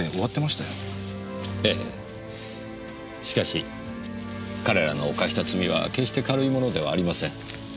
しかし彼らの犯した罪は決して軽いものではありません。